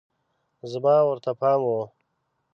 زما ورته پام و